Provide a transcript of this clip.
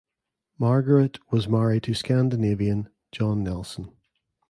Margaret was married to (Scandinavian) John Nelson.